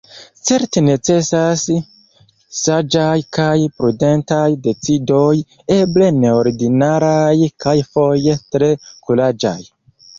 Certe necesas saĝaj kaj prudentaj decidoj, eble neordinaraj kaj foje tre kuraĝaj.